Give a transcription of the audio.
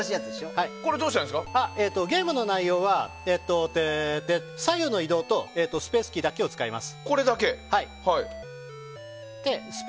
ゲームの内容は左右の移動とスペースキーだけを使います。